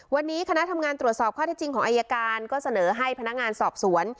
วันนี้คณะทำงานตรวจสอบข้อที่จริงของอายการก็เสนอให้พนักงานสอบสวน